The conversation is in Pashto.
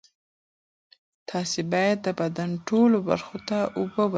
تاسو باید د بدن ټولو برخو ته اوبه ورسوي.